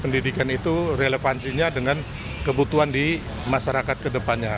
pendidikan itu relevansinya dengan kebutuhan di masyarakat kedepannya